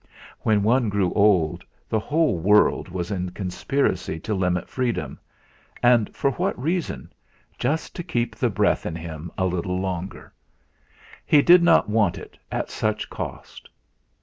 When one grew old, the whole world was in conspiracy to limit freedom, and for what reason? just to keep the breath in him a little longer. He did not want it at such cost.